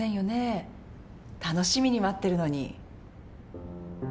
楽しみに待ってるのに。